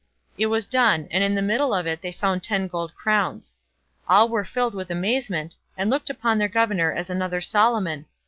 It was done, and in the middle of it they found ten gold crowns. All were filled with amazement, and looked upon their governor as another Solomon.